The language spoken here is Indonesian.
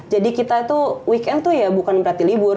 jadi kita itu weekend tuh ya bukan berarti libur